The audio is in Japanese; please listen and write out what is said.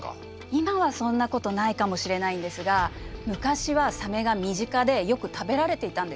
今はそんなことないかもしれないんですが昔はサメが身近でよく食べられていたんです。